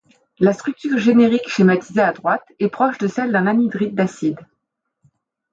La structure générique, schématisée à droite est proche de celle d'un anhydride d'acide.